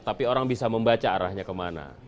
tapi orang bisa membaca arahnya kemana